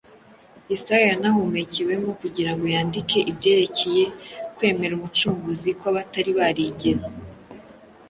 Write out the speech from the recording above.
Yesaya yanahumekewemo kugira ngo yandike ibyerekeye kwemera Umucunguzi kw’abatari barigeze